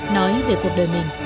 nói về cuộc đời mình